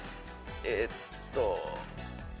えっと。